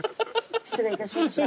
失礼いたしました。